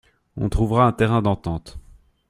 On trouvera un terrain d’entente.